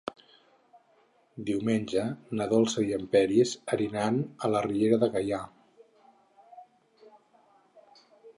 Diumenge na Dolça i en Peris aniran a la Riera de Gaià.